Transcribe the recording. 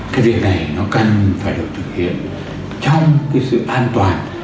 cái việc này nó cần phải được thực hiện trong cái sự an toàn